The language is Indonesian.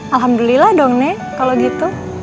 alhamdulillah dong nih kalau gitu